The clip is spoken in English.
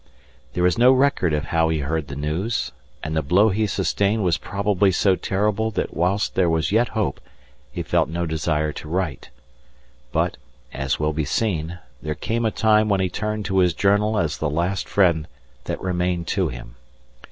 There is no record of how he heard the news, and the blow he sustained was probably so terrible that whilst there was yet hope he felt no desire to write; but, as will be seen, there came a time when he turned to his journal as the last friend that remained to him.